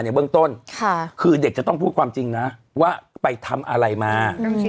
เบื้องต้นคือเด็กจะต้องพูดความจริงนะว่าไปทำอะไรมา